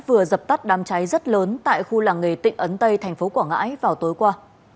vừa dập tắt đám cháy rất lớn tại khu làng nghề tịnh ấn tây thành phố quảng ngãi vào tối qua